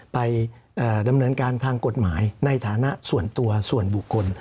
ไปดำเนินการทางกฎหมายในฐานะส่วนตัวส่วนบุคคล